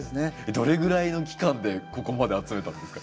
どれぐらいの期間でここまで集めたんですか？